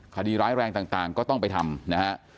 คดีร้ายแรงต่างก็ต้องไปทำนะฮะ